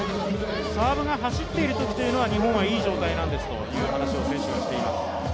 サーブが走っているときは日本はいい状態なんですと選手はしています。